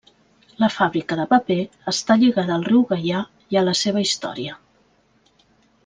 La fàbrica de paper està lligada al riu Gaià i a la seva història.